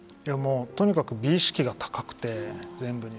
とにかく美意識が高くて全部に。